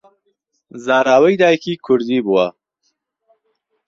زاراوەی دایکی کوردی بووە